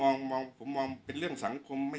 ช่างแอร์เนี้ยคือล้างหกเดือนครั้งยังไม่แอร์